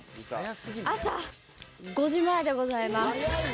朝５時前でございます。